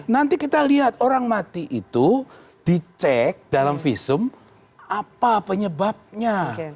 nanti kita lihat orang mati itu dicek dalam visum apa penyebabnya